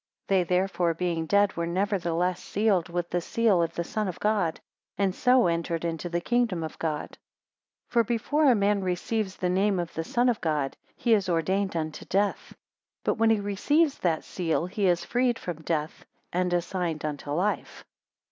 152 They therefore being dead, were nevertheless sealed with the seal of the Son of God, and so entered into the kingdom of God. 153 For before a man receives the name of the Son of God, he is ordained unto death; but when he receives that seal, he is freed from death, and assigned unto life.